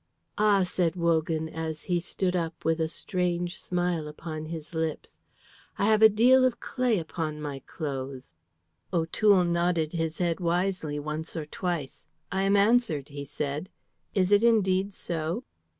"Ah," said Wogan, as he stood up with a strange smile upon his lips, "I have a deal of clay upon my clothes." O'Toole nodded his head wisely once or twice. "I am answered," he said. "Is it indeed so?"